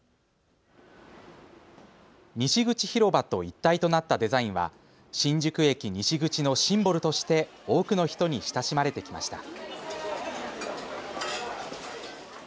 西口広場と一体となったデザインは新宿駅西口のシンボルとして多くの人に親しまれてきました。